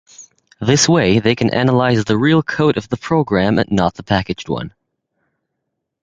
This way they can analyze the real code of the program, and not the packaged one.